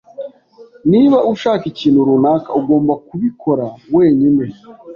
Niba ushaka ikintu runaka, ugomba kubikora wenyine.